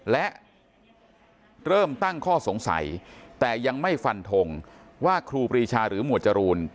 และเริ่มตั้งข้อสงสัยแต่ยังไม่ฟันทงว่าครูปรีชาหรือหมวดจรูน